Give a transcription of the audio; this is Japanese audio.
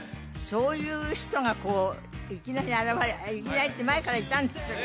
そういう人がこういきなりいきなりって前からいたんですけどね